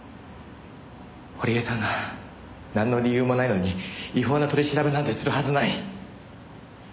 堀江さんがなんの理由もないのに違法な取り調べなんてするはずない。